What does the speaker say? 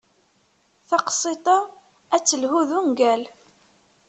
Taqsiṭ-a ad telhu d ungal.